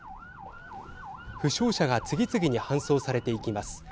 負傷者が次々に搬送されていきます。